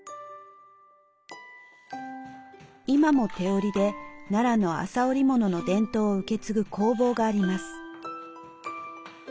今も手織りで奈良の麻織物の伝統を受け継ぐ工房があります。